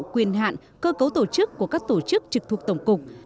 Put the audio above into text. quyền hạn cơ cấu tổ chức của các tổ chức trực thuộc tổng cục